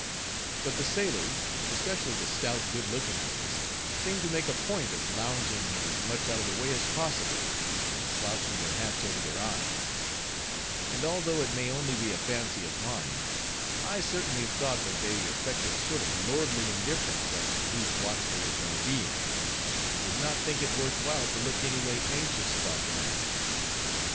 But the sailors, especially the stout good looking ones, seemed to make a point of lounging as much out of the way as possible, and slouching their hats over their eyes; and although it may only be a fancy of mine, I certainly thought that they affected a sort of lordly indifference as to whose watch they were going to be in; and did not think it worth while to look any way anxious about the matter.